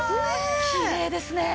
きれいですね！